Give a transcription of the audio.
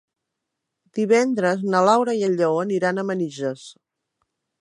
Divendres na Laura i en Lleó aniran a Manises.